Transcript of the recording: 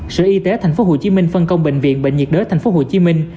sở y tế thành phố hồ chí minh phân công bệnh viện bệnh nhiệt đới thành phố hồ chí minh